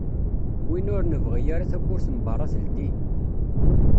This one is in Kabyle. Win ur nebɣi ara tawwurt n berra teldi